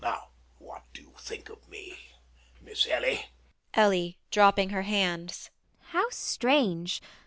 Now what do you think of me, Miss Ellie? ELLIE [dropping her hands]. How strange!